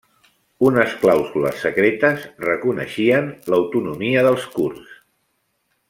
Unes clàusules secretes reconeixien l'autonomia dels kurds.